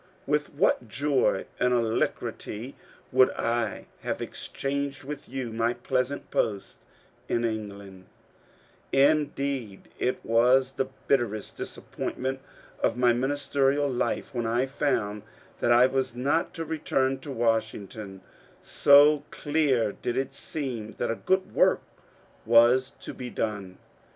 With what joy and alacrity would I have exchanged with you my pleasant post in England I Indeed, it was the bitterest disappointment of my ministerial life when I found that I was not to return to W ashington, — so clear did it seem that a good work was to be done.